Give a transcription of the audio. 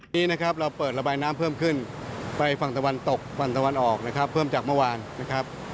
นี้นะครับเราเปิดระบายน้ำเพิ่มขึ้นไปฝั่งตะวันตกฝั่งตะวันออกนะครับเพิ่มจากเมื่อวานนะครับ